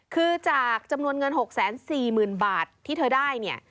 คือจากจำนวนเงิน๖๔๐๐๐บาทที่เธอได้เนี่ย